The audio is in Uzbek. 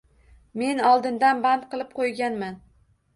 Men oldindan band qilib qo'yganman